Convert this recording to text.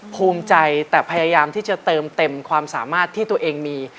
ภูมิใจแต่พยายามที่จะเติมเต็มความสามารถที่ตัวเองมี